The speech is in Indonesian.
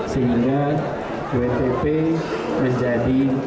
sehingga wtp menjadi